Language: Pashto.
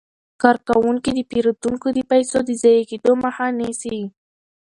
کارکوونکي د پیرودونکو د پيسو د ضایع کیدو مخه نیسي.